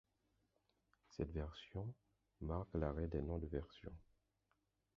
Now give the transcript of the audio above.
Cette version marque l’arrêt des noms de versions.